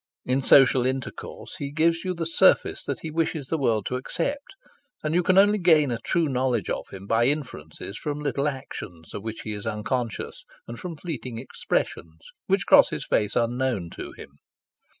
In social intercourse he gives you the surface that he wishes the world to accept, and you can only gain a true knowledge of him by inferences from little actions, of which he is unconscious, and from fleeting expressions, which cross his face unknown to him.